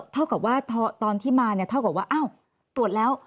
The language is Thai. เท่ากับว่าตอนที่มาเนี่ยเท่ากับว่าอ้าวตรวจแล้ว